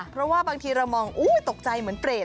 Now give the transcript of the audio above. เพราะว่าบางทีเรามองตกใจเหมือนเปรต